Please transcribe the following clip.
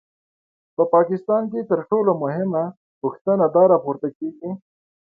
په پاکستان کې تر ټولو مهمه پوښتنه دا راپورته کېږي.